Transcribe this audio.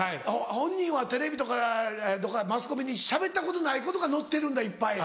本人はテレビとかマスコミにしゃべったことないことが載ってるんだいっぱい。